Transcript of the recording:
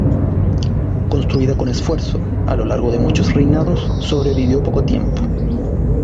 Construida con esfuerzo, a lo largo de muchos reinados, sobrevivió poco tiempo.